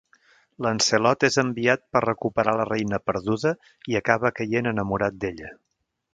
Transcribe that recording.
Lancelot és enviat per recuperar la reina perduda i acaba caient enamorat d'ella.